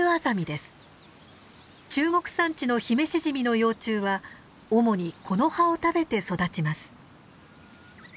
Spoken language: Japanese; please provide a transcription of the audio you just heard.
中国山地のヒメシジミの幼虫は主にこの葉を食べて育ちます。